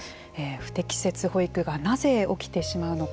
不適切保育がなぜ起きてしまうのか。